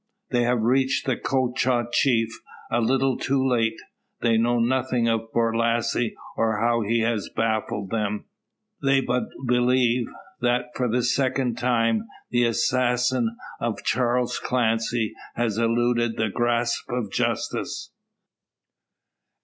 They have reached the Choctaw Chief a little too late. They know nothing of Borlasse, or how he has baffled them. They but believe, that, for the second time, the assassin of Charles Clancy has eluded the grasp of justice.